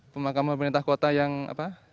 pemakaman pemerintah kota yang apa